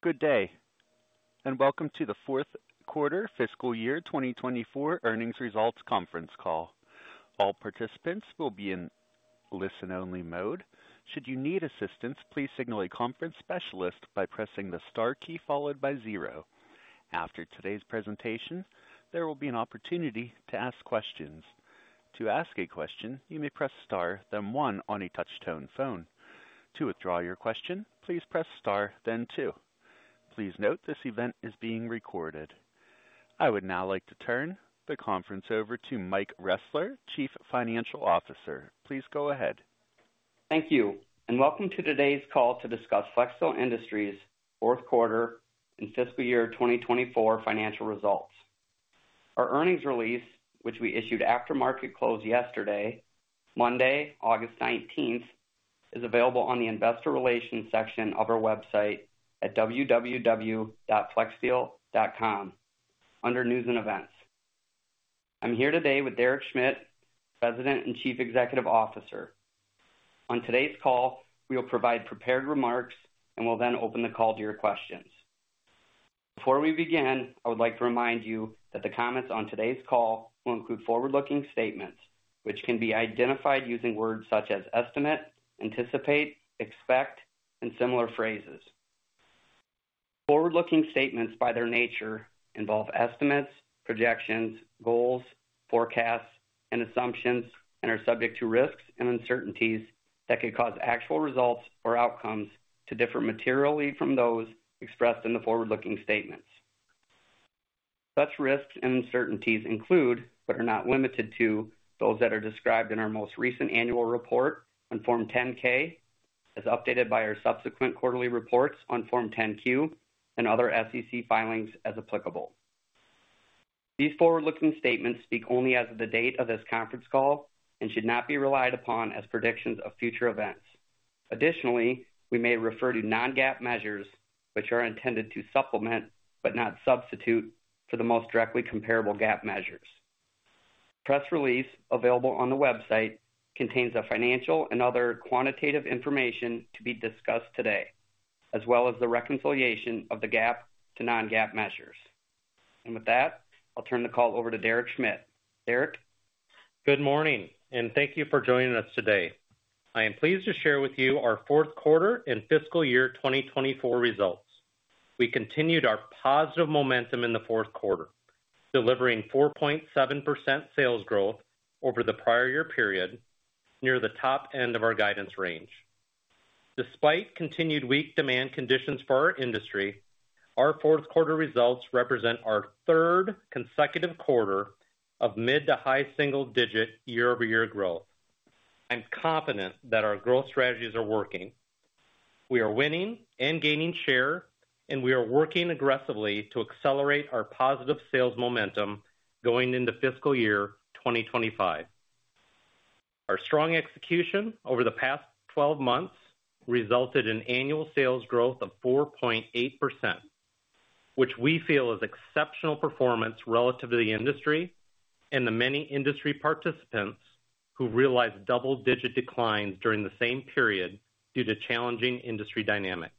Good day, and welcome to the fourth quarter fiscal year 2024 earnings results conference call. All participants will be in listen-only mode. Should you need assistance, please signal a conference specialist by pressing the Star key followed by zero. After today's presentation, there will be an opportunity to ask questions. To ask a question, you may press Star, then one on a touch-tone phone. To withdraw your question, please press Star, then two. Please note, this event is being recorded. I would now like to turn the conference over to Mike Ressler, Chief Financial Officer. Please go ahead. Thank you, and welcome to today's call to discuss Flexsteel Industries' fourth quarter and fiscal year twenty twenty-four financial results. Our earnings release, which we issued after market close yesterday, Monday, August nineteenth, is available on the Investor Relations section of our website at www.flexsteel.com, under News and Events. I'm here today with Derek Schmidt, President and Chief Executive Officer. On today's call, we will provide prepared remarks and will then open the call to your questions. Before we begin, I would like to remind you that the comments on today's call will include forward-looking statements, which can be identified using words such as estimate, anticipate, expect, and similar phrases. Forward-looking statements, by their nature, involve estimates, projections, goals, forecasts, and assumptions, and are subject to risks and uncertainties that could cause actual results or outcomes to differ materially from those expressed in the forward-looking statements. Such risks and uncertainties include, but are not limited to, those that are described in our most recent annual report on Form 10-K, as updated by our subsequent quarterly reports on Form 10-Q and other SEC filings, as applicable. These forward-looking statements speak only as of the date of this conference call and should not be relied upon as predictions of future events. Additionally, we may refer to non-GAAP measures which are intended to supplement, but not substitute, for the most directly comparable GAAP measures. Press release available on the website contains the financial and other quantitative information to be discussed today, as well as the reconciliation of the GAAP to non-GAAP measures. And with that, I'll turn the call over to Derek Schmidt. Derek? Good morning, and thank you for joining us today. I am pleased to share with you our fourth quarter and fiscal year 2024 results. We continued our positive momentum in the fourth quarter, delivering 4.7% sales growth over the prior year period, near the top end of our guidance range. Despite continued weak demand conditions for our industry, our fourth quarter results represent our third consecutive quarter of mid to high single digit year-over-year growth. I'm confident that our growth strategies are working. We are winning and gaining share, and we are working aggressively to accelerate our positive sales momentum going into fiscal year 2025. Our strong execution over the past twelve months resulted in annual sales growth of 4.8%, which we feel is exceptional performance relative to the industry and the many industry participants who realized double-digit declines during the same period due to challenging industry dynamics.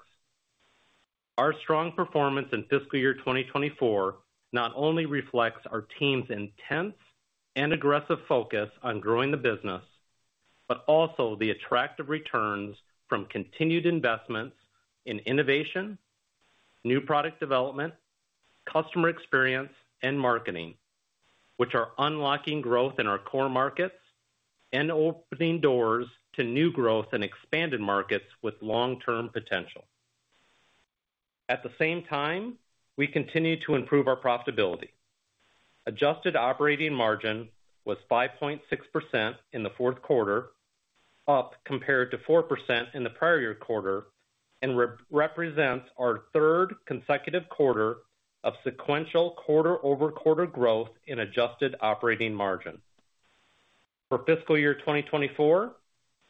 Our strong performance in fiscal year 2024 not only reflects our team's intense and aggressive focus on growing the business, but also the attractive returns from continued investments in innovation, new product development, customer experience, and marketing, which are unlocking growth in our core markets and opening doors to new growth and expanded markets with long-term potential. At the same time, we continue to improve our profitability. Adjusted operating margin was 5.6% in the fourth quarter, up compared to 4% in the prior year quarter, and represents our third consecutive quarter of sequential quarter-over-quarter growth in adjusted operating margin. For fiscal year 2024,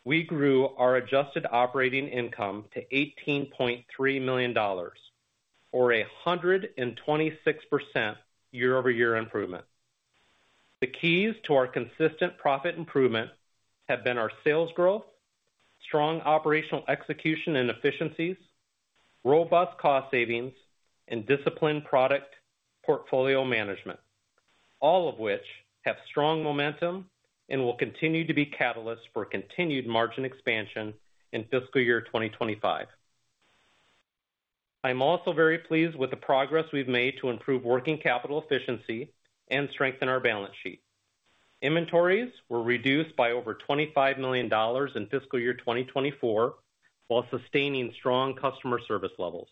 we grew our adjusted operating income to $18.3 million, or a 126% year-over-year improvement. The keys to our consistent profit improvement have been our sales growth, strong operational execution and efficiencies, robust cost savings, and disciplined product portfolio management. All of which have strong momentum and will continue to be catalysts for continued margin expansion in fiscal year 2025. I'm also very pleased with the progress we've made to improve working capital efficiency and strengthen our balance sheet. Inventories were reduced by over $25 million in fiscal year 2024, while sustaining strong customer service levels.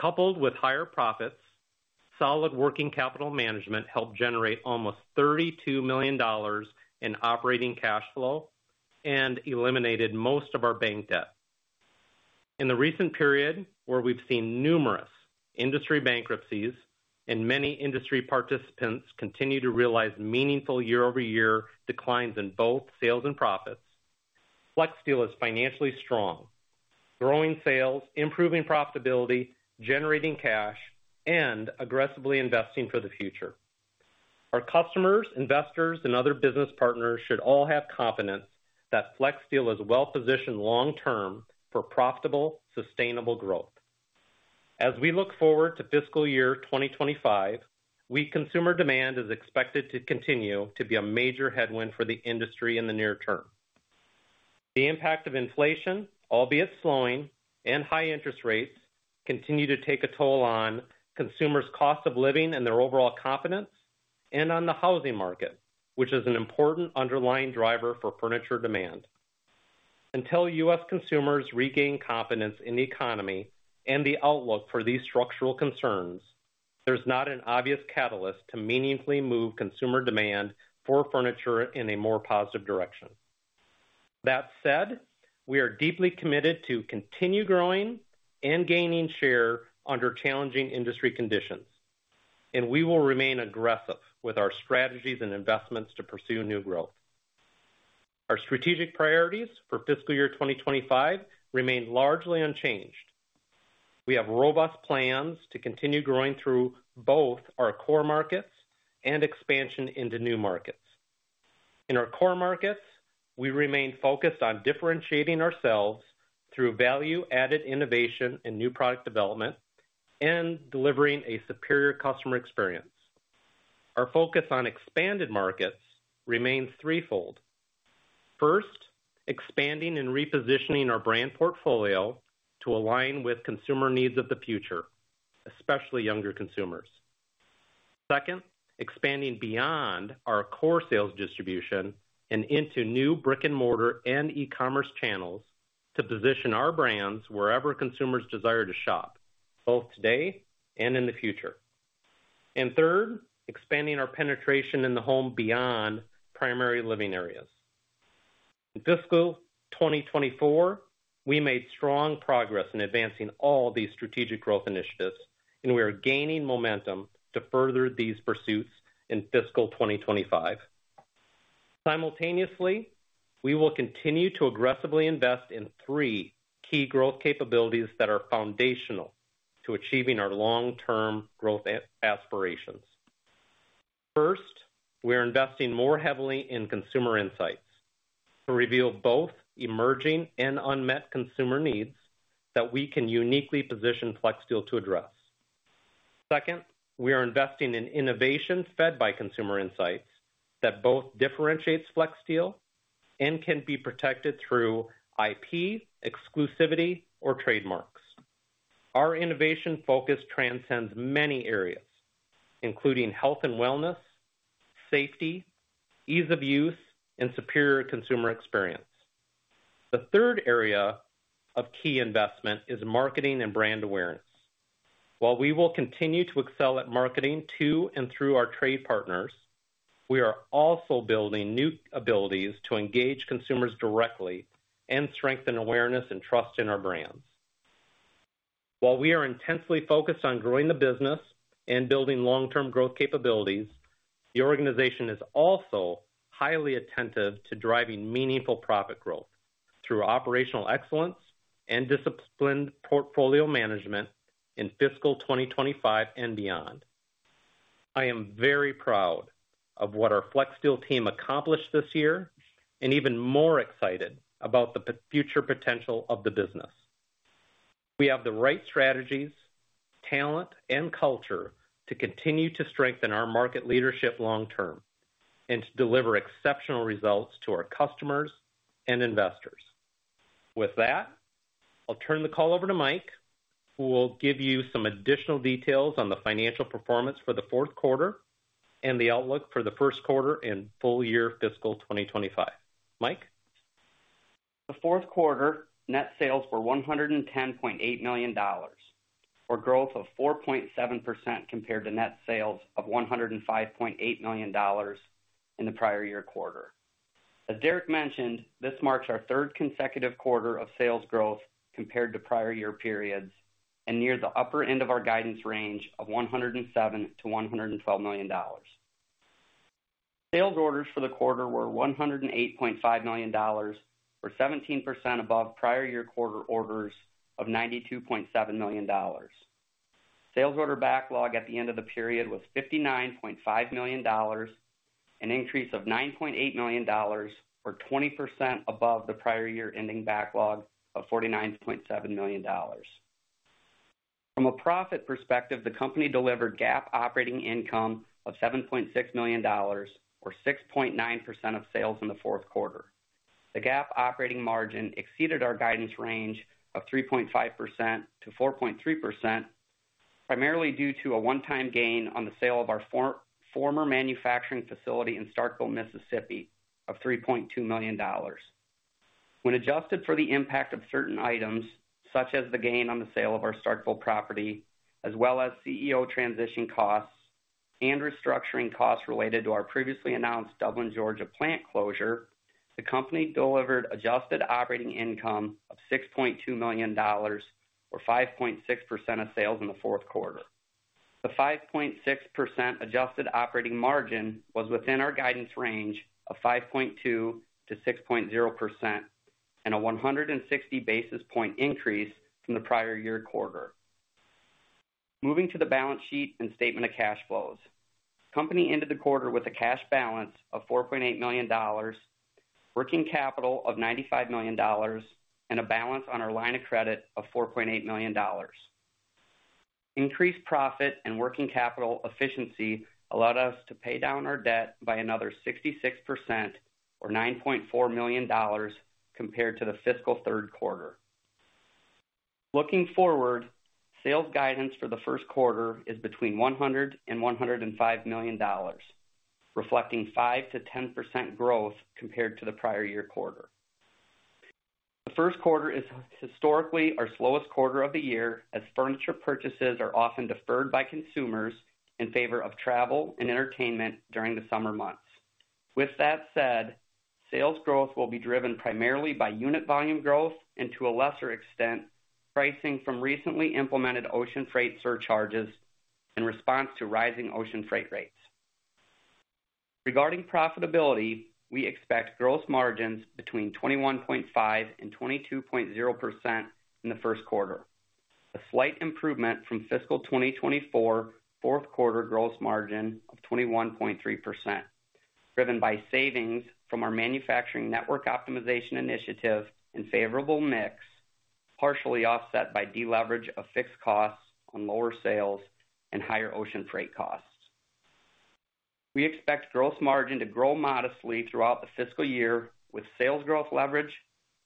Coupled with higher profits, solid working capital management helped generate almost $32 million in operating cash flow and eliminated most of our bank debt. In the recent period, where we've seen numerous industry bankruptcies and many industry participants continue to realize meaningful year-over-year declines in both sales and profits, Flexsteel is financially strong, growing sales, improving profitability, generating cash, and aggressively investing for the future. Our customers, investors, and other business partners should all have confidence that Flexsteel is well-positioned long term for profitable, sustainable growth. As we look forward to fiscal year 2025, weak consumer demand is expected to continue to be a major headwind for the industry in the near term. The impact of inflation, albeit slowing, and high interest rates continue to take a toll on consumers' cost of living and their overall confidence, and on the housing market, which is an important underlying driver for furniture demand. Until U.S. consumers regain confidence in the economy and the outlook for these structural concerns, there's not an obvious catalyst to meaningfully move consumer demand for furniture in a more positive direction. That said, we are deeply committed to continue growing and gaining share under challenging industry conditions, and we will remain aggressive with our strategies and investments to pursue new growth. Our strategic priorities for fiscal year 2025 remain largely unchanged. We have robust plans to continue growing through both our core markets and expansion into new markets. In our core markets, we remain focused on differentiating ourselves through value-added innovation and new product development, and delivering a superior customer experience. Our focus on expanded markets remains threefold. First, expanding and repositioning our brand portfolio to align with consumer needs of the future, especially younger consumers. Second, expanding beyond our core sales distribution and into new brick-and-mortar and e-commerce channels to position our brands wherever consumers desire to shop, both today and in the future. And third, expanding our penetration in the home beyond primary living areas. In fiscal twenty twenty-four, we made strong progress in advancing all these strategic growth initiatives, and we are gaining momentum to further these pursuits in fiscal twenty twenty-five. Simultaneously, we will continue to aggressively invest in three key growth capabilities that are foundational to achieving our long-term growth aspirations. First, we are investing more heavily in consumer insights to reveal both emerging and unmet consumer needs that we can uniquely position Flexsteel to address. Second, we are investing in innovation fed by consumer insights that both differentiates Flexsteel and can be protected through IP, exclusivity, or trademarks. Our innovation focus transcends many areas, including health and wellness, safety, ease of use, and superior consumer experience. The third area of key investment is marketing and brand awareness. While we will continue to excel at marketing to and through our trade partners, we are also building new abilities to engage consumers directly and strengthen awareness and trust in our brands. While we are intensely focused on growing the business and building long-term growth capabilities, the organization is also highly attentive to driving meaningful profit growth through operational excellence and disciplined portfolio management in fiscal 2025 and beyond. I am very proud of what our Flexsteel team accomplished this year, and even more excited about the future potential of the business. We have the right strategies, talent, and culture to continue to strengthen our market leadership long term, and to deliver exceptional results to our customers and investors. With that, I'll turn the call over to Mike, who will give you some additional details on the financial performance for the fourth quarter and the outlook for the first quarter and full year fiscal twenty twenty-five. Mike? The fourth quarter net sales were $110.8 million, for growth of 4.7% compared to net sales of $105.8 million in the prior year quarter. As Derek mentioned, this marks our third consecutive quarter of sales growth compared to prior year periods, and near the upper end of our guidance range of $107-$112 million. Sales orders for the quarter were $108.5 million, or 17% above prior year quarter orders of $92.7 million. Sales order backlog at the end of the period was $59.5 million, an increase of $9.8 million, or 20% above the prior year ending backlog of $49.7 million. From a profit perspective, the company delivered GAAP operating income of $7.6 million, or 6.9% of sales in the fourth quarter. The GAAP operating margin exceeded our guidance range of 3.5% to 4.3%, primarily due to a one-time gain on the sale of our former manufacturing facility in Starkville, Mississippi, of $3.2 million. When adjusted for the impact of certain items, such as the gain on the sale of our Starkville property, as well as CEO transition costs and restructuring costs related to our previously announced Dublin, Georgia, plant closure, the company delivered adjusted operating income of $6.2 million, or 5.6% of sales in the fourth quarter. The 5.6% adjusted operating margin was within our guidance range of 5.2%-6.0% and a 160 basis points increase from the prior year quarter. Moving to the balance sheet and statement of cash flows. The company ended the quarter with a cash balance of $4.8 million, working capital of $95 million, and a balance on our line of credit of $4.8 million. Increased profit and working capital efficiency allowed us to pay down our debt by another 66% or $9.4 million compared to the fiscal third quarter. Looking forward, sales guidance for the first quarter is between $100 million and $105 million, reflecting 5%-10% growth compared to the prior year quarter. The first quarter is historically our slowest quarter of the year, as furniture purchases are often deferred by consumers in favor of travel and entertainment during the summer months. With that said, sales growth will be driven primarily by unit volume growth and, to a lesser extent, pricing from recently implemented ocean freight surcharges in response to rising ocean freight rates. Regarding profitability, we expect gross margins between 21.5% and 22.0% in the first quarter, a slight improvement from fiscal 2024 fourth quarter gross margin of 21.3%, driven by savings from our manufacturing network optimization initiative and favorable mix, partially offset by deleverage of fixed costs on lower sales and higher ocean freight costs. We expect gross margin to grow modestly throughout the fiscal year, with sales growth leverage,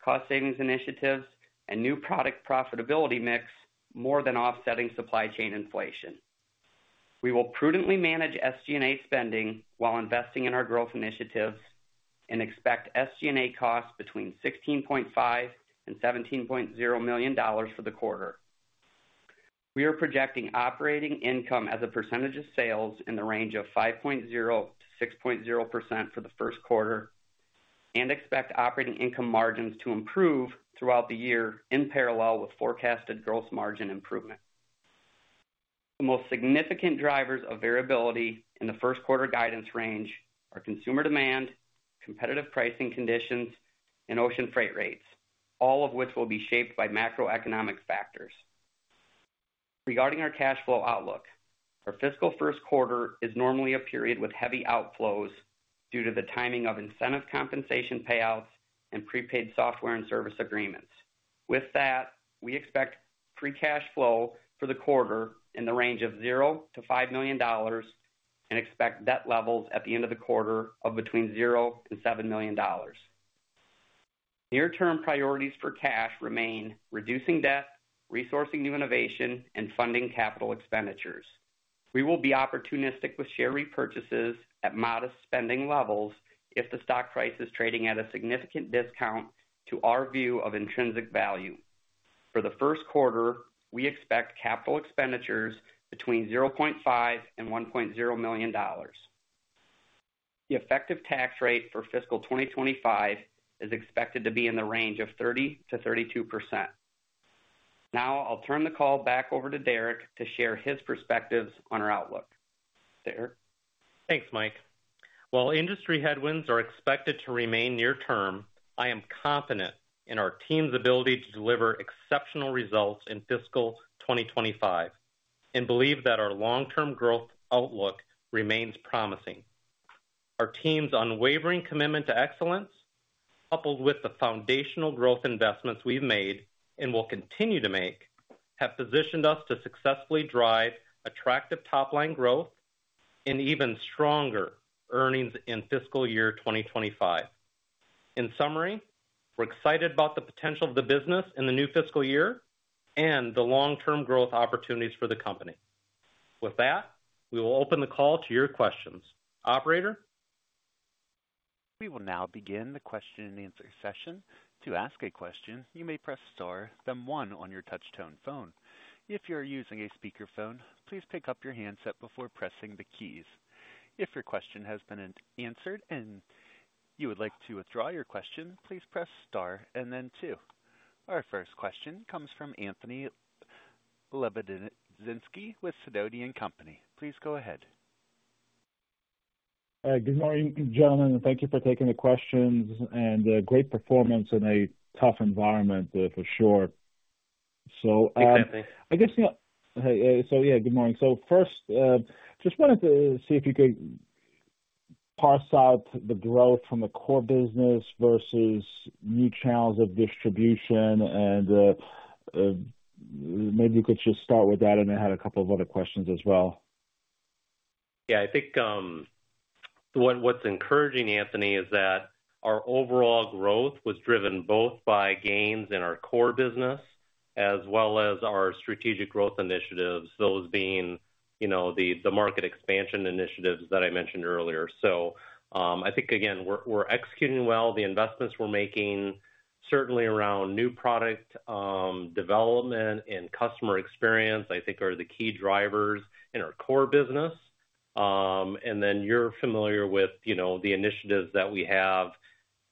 cost savings initiatives, and new product profitability mix more than offsetting supply chain inflation. We will prudently manage SG&A spending while investing in our growth initiatives and expect SG&A costs between $16.5 million and $17.0 million dollars for the quarter. We are projecting operating income as a percentage of sales in the range of 5.0% to 6.0% for the first quarter and expect operating income margins to improve throughout the year in parallel with forecasted gross margin improvement. The most significant drivers of variability in the first quarter guidance range are consumer demand, competitive pricing conditions, and ocean freight rates, all of which will be shaped by macroeconomic factors. Regarding our cash flow outlook, our fiscal first quarter is normally a period with heavy outflows due to the timing of incentive compensation payouts and prepaid software and service agreements. With that, we expect free cash flow for the quarter in the range of $0-$5 million and expect debt levels at the end of the quarter of between $0 and $7 million. Near-term priorities for cash remain reducing debt, resourcing new innovation, and funding capital expenditures. We will be opportunistic with share repurchases at modest spending levels if the stock price is trading at a significant discount to our view of intrinsic value. For the first quarter, we expect capital expenditures between $0.5 and $1.0 million. The effective tax rate for fiscal 2025 is expected to be in the range of 30%-32%. Now, I'll turn the call back over to Derek to share his perspectives on our outlook. Derek? Thanks, Mike. While industry headwinds are expected to remain near term, I am confident in our team's ability to deliver exceptional results in fiscal 2025 and believe that our long-term growth outlook remains promising. Our team's unwavering commitment to excellence, coupled with the foundational growth investments we've made and will continue to make, have positioned us to successfully drive attractive top-line growth and even stronger earnings in fiscal year 2025. In summary, we're excited about the potential of the business in the new fiscal year and the long-term growth opportunities for the company. With that, we will open the call to your questions. Operator? We will now begin the question-and-answer session. To ask a question, you may press Star, then one on your touchtone phone. If you're using a speakerphone, please pick up your handset before pressing the keys. If your question has been answered and you would like to withdraw your question, please press Star and then two. Our first question comes from Anthony Lebiedzinski with Sidoti & Company. Please go ahead. Good morning, gentlemen, and thank you for taking the questions, and great performance in a tough environment, for sure. So, Hey, Anthony. I guess, so yeah, good morning. So first, just wanted to see if you could parse out the growth from the core business versus new channels of distribution, and, maybe you could just start with that, and I had a couple of other questions as well. Yeah, I think, what, what's encouraging, Anthony, is that our overall growth was driven both by gains in our core business as well as our strategic growth initiatives, those being, you know, the market expansion initiatives that I mentioned earlier. So, I think, again, we're executing well. The investments we're making, certainly around new product development and customer experience, I think are the key drivers in our core business. And then you're familiar with, you know, the initiatives that we have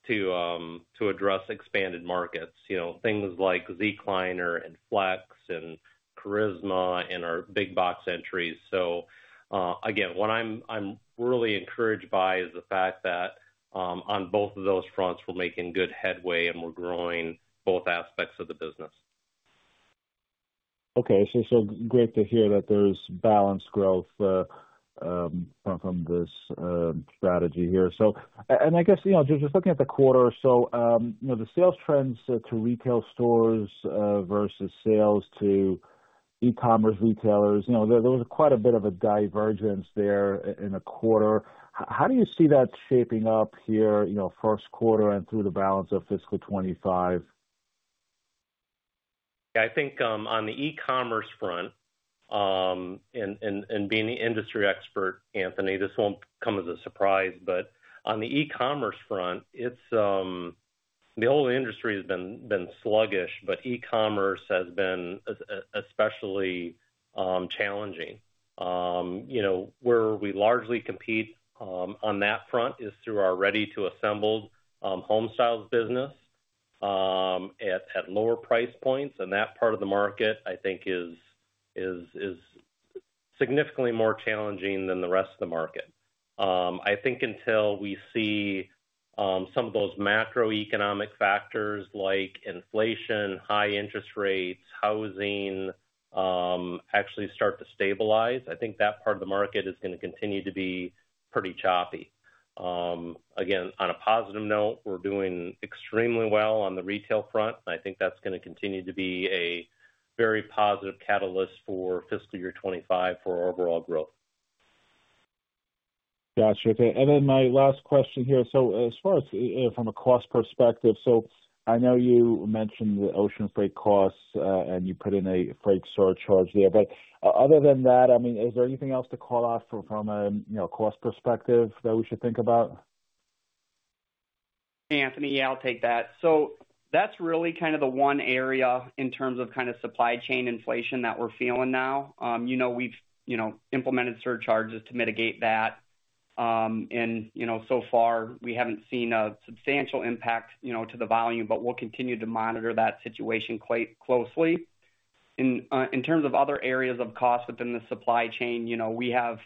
to to address expanded markets, you know, things like Zecliner and Flex and Charisma and our big box entries. So, again, what I'm really encouraged by is the fact that, on both of those fronts, we're making good headway and we're growing both aspects of the business.... Okay, so great to hear that there's balanced growth from this strategy here. And I guess, you know, just looking at the quarter, you know, the sales trends to retail stores versus sales to e-commerce retailers, you know, there was quite a bit of a divergence there in a quarter. How do you see that shaping up here, you know, first quarter and through the balance of fiscal twenty-five? I think, on the e-commerce front, and being the industry expert, Anthony, this won't come as a surprise, but on the e-commerce front, it's the whole industry has been sluggish, but e-commerce has been especially challenging. You know, where we largely compete on that front is through our ready-to-assemble Homestyles business at lower price points, and that part of the market, I think, is significantly more challenging than the rest of the market. I think until we see some of those macroeconomic factors like inflation, high interest rates, housing actually start to stabilize, I think that part of the market is gonna continue to be pretty choppy. Again, on a positive note, we're doing extremely well on the retail front. I think that's gonna continue to be a very positive catalyst for fiscal year 2025 for our overall growth. Got you. Okay, and then my last question here. So as far as from a cost perspective, so I know you mentioned the ocean freight costs and you put in a freight surcharge there. But other than that, I mean, is there anything else to call out from a you know cost perspective that we should think about? Anthony, yeah, I'll take that. So that's really kind of the one area in terms of kind of supply chain inflation that we're feeling now. You know, we've, you know, implemented surcharges to mitigate that. And, you know, so far, we haven't seen a substantial impact, you know, to the volume, but we'll continue to monitor that situation quite closely. In terms of other areas of cost within the supply chain, you know, we have,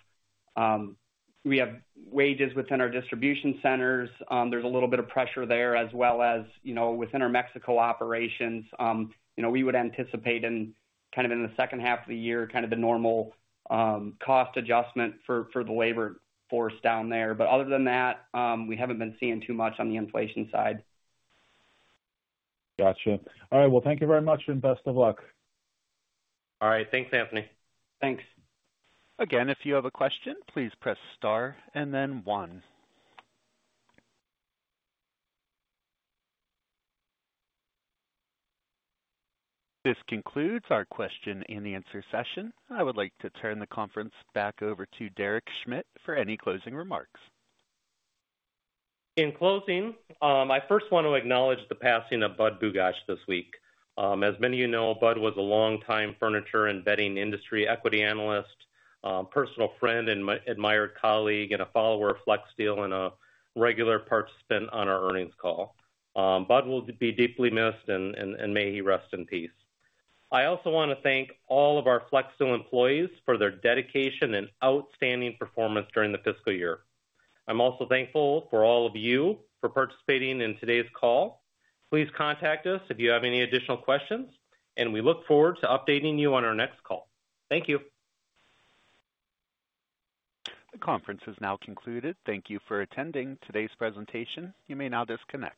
we have wages within our distribution centers. There's a little bit of pressure there, as well as, you know, within our Mexico operations. You know, we would anticipate in, kind of in the second half of the year, kind of the normal, cost adjustment for the labor force down there. But other than that, we haven't been seeing too much on the inflation side. Gotcha. All right, well, thank you very much, and best of luck. All right. Thanks, Anthony. Thanks. Again, if you have a question, please press star and then one. This concludes our question and answer session. I would like to turn the conference back over to Derek Schmidt for any closing remarks. In closing, I first want to acknowledge the passing of Budd Bugatcs this week. As many of you know, Bud was a longtime furniture and bedding industry equity analyst, personal friend, and my admired colleague, and a follower of Flexsteel, and a regular participant on our earnings call. Bud will be deeply missed, and may he rest in peace. I also want to thank all of our Flexsteel employees for their dedication and outstanding performance during the fiscal year. I'm also thankful for all of you for participating in today's call. Please contact us if you have any additional questions, and we look forward to updating you on our next call. Thank you. The conference is now concluded. Thank you for attending today's presentation. You may now disconnect.